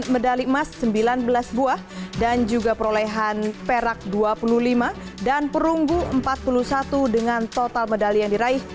medali emas sembilan belas buah dan juga perolehan perak dua puluh lima dan perunggu empat puluh satu dengan total medali yang diraih